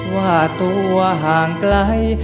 ว่าตัวห่างไกล